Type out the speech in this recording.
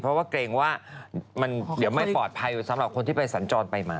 เพราะว่าเกรงว่ามันเดี๋ยวไม่ปลอดภัยสำหรับคนที่ไปสัญจรไปมา